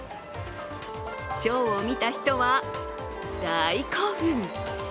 ショーを見た人は、大興奮。